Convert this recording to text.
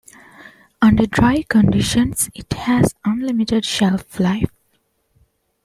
Under dry conditions it has unlimited shelf life.